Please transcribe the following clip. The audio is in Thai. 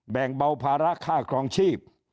แบ่งเบาภาระค่าครองชีพ